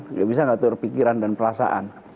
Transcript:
nggak bisa mengatur pikiran dan perasaan